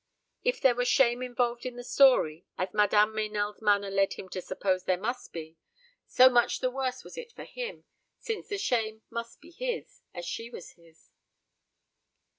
If there were shame involved in the story, as Madame Meynell's manner led him to suppose there must be, so much the worse was it for him, since the shame must be his, as she was his.